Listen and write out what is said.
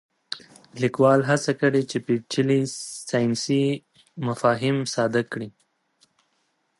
لیکوال هڅه کړې چې پېچلي ساینسي مفاهیم ساده کړي.